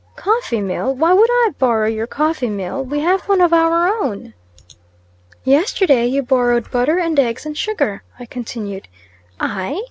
"Coffee mill! Why should I borrow your coffee mill? We have one of our own." "Yesterday you borrowed butter, and eggs, and sugar," I continued. "I?"